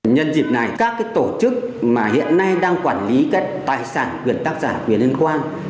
nhân dịp này các tổ chức mà hiện nay đang quản lý các tài sản quyền tác giả quyền liên quan